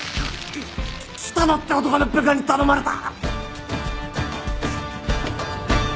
喜多野って男の部下に頼まれた。